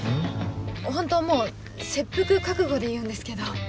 ホントもう切腹覚悟で言うんですけど。